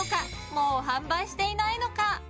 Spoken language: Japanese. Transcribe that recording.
もう販売していないのか？